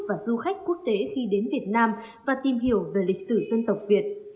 và du khách quốc tế khi đến việt nam và tìm hiểu về lịch sử dân tộc việt